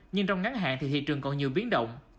nhưng trong ngắn hạn thì thị trường còn nhiều biến động